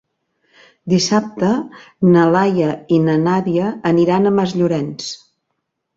Dissabte na Laia i na Nàdia aniran a Masllorenç.